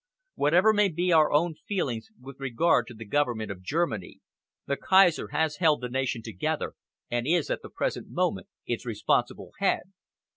Whatever may be our own feelings with regard to the government of Germany, the Kaiser has held the nation together and is at the present moment its responsible head.